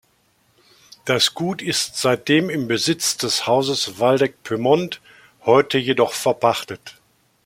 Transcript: Das Gut ist seitdem im Besitz des Hauses Waldeck-Pyrmont, heute jedoch verpachtet.